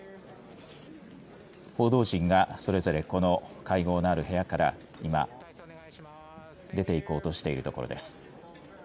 報道陣がそれぞれこの会合のある部屋から今、出ていこうとしているところです。